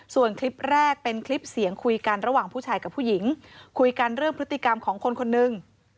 ส่วนคลิปแรกเป็นคลิปเสียงคุยกันระหว่างผู้ชายกับผู้หญิงคุยกันเรื่องพฤติกรรมของคนคนหนึ่ง